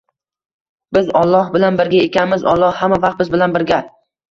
Biz Olloh bilan birga ekanmiz, Olloh hamma vaqt biz bilan birga.